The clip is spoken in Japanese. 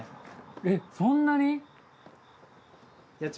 えっそんなに？